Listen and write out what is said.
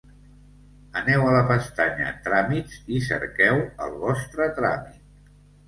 Aneu a la pestanya Tràmits i cerqueu el vostre tràmit.